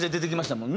もんね